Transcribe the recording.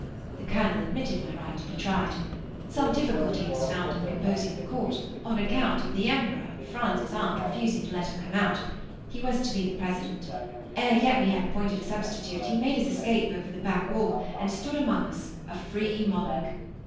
The colonel admitted my right to be tried. Some difficulty was found in composing the court, on account of the Emperor of France's aunt refusing to let him come out. He was to be the president. Ere yet we had appointed a substitute, he made his escape over the back wall, and stood among us, a free monarch.